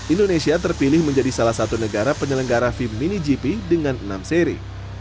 indonesia terpilih menjadi salah satu negara penyelenggara fim mini gp dengan enam seri